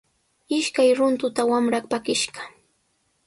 Ishkay runtuta wamra pakishqa.